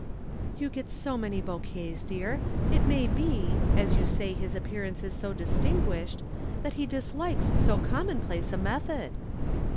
"You get so many bouquets, dear. It may be as you say his appearance is so distinguished that he dislikes so commonplace a method."